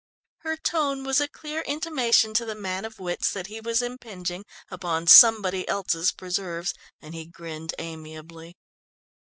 Her tone was a clear intimation to the man of wits that he was impinging upon somebody else's preserves and he grinned amiably.